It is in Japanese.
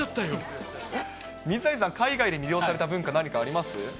水谷さん、海外で魅了された文化、何かあります？